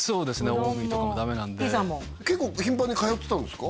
大麦とかもダメなんで結構頻繁に通ってたんですか？